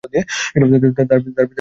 তার পিতার নাম মহেন্দ্রনাথ গোস্বামী।